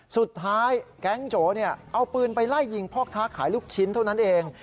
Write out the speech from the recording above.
สุดท้ายแก๊งโจเอาปืนไปไล่ยิงพ่อค้าขายลูกชิ้นเท่านั้นเอง